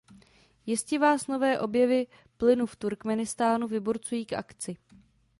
Jistě vás nové objevy plynu v Turkmenistánu vyburcují k akci.